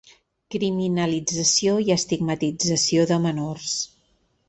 Criminalització i estigmatització de menors.